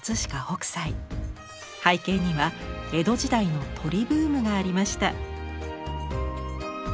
背景には江戸時代の鳥ブームがありました。